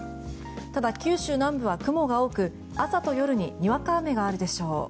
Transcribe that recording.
ただ九州南部は雲が多く朝と夜ににわか雨があるでしょう。